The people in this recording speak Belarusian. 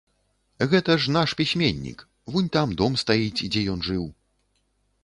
Гэта ж наш пісьменнік, вунь там дом стаіць, дзе ён жыў.